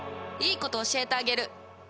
いいこと教えてあげる。